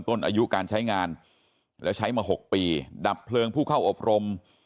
ต้นอายุการใช้งานแล้วใช้มา๖ปีดับเพลิงผู้เข้าอบรม